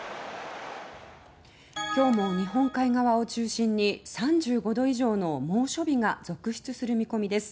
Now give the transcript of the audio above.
今日も日本海側を中心に３５度以上の猛暑日が続出する見込みです。